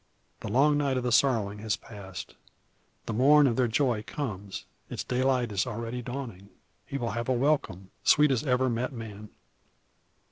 The long night of their sorrowing has passed; the morn of their joy comes; its daylight is already dawning. He will have a welcome, sweet as ever met man.